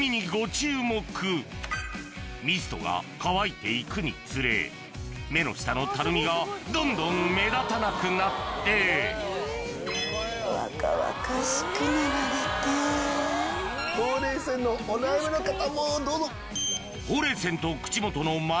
ミストが乾いていくにつれ目の下のたるみがどんどん目立たなくなってほうれい線のお悩みの方もどうぞ！